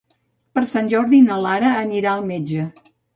Per Sant Jordi na Lara anirà al metge.